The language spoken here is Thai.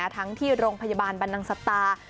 ทั้งที่โรงพยาบาลบรรนังสตา